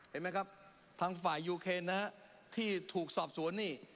เห็นไหมครับทางฝ่ายยูเคนนะฮะที่ถูกสอบสวนนี่